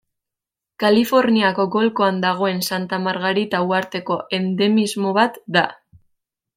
Kaliforniako golkoan dagoen Santa Margarita uharteko endemismo bat da.